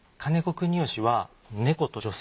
國義は猫と女性。